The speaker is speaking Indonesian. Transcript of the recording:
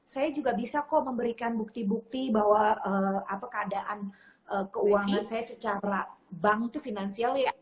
saya juga bisa kok memberikan bukti bukti bahwa keadaan keuangan saya secara bank itu finansial ya